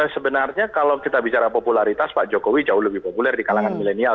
sebenarnya kalau kita bicara popularitas pak jokowi jauh lebih populer di kalangan milenial